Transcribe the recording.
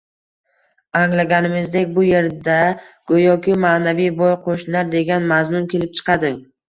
Anglaganingizdek, bu yerda go‘yoki «Ma’naviy boy qo‘shnilar», degan mazmun kelib chiqadi.